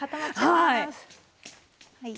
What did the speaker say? はい。